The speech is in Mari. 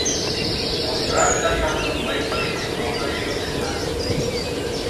Ондран кашакым мый тышке шогалташ келшенам.